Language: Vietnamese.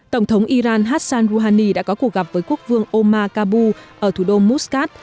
tổng thống iran hassan rouhani đã có cuộc gặp với quốc vương omar kabul ở thủ đô muscat